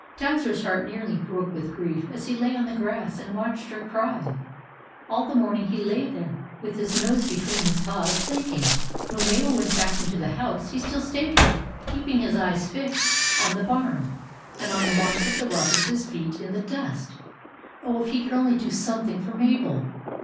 Towser's heart nearly broke with grief as he lay on the grass and watched her cry. All the morning he lay there with his nose between his paws, thinking. When Mabel went back into the house, he still stayed there, keeping his eyes fixed on the barn, and on the marks of the robbers' feet in the dust. Oh, if he could only do some thing for Mabel